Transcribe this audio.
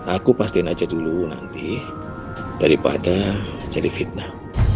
aku pastiin aja dulu nanti daripada jadi fitnah